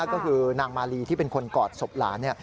ก็คือนางมาลีที่เป็นคนกอดศพหลาน